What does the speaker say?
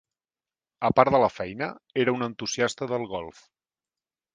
A part de la feina, era un entusiasta del golf.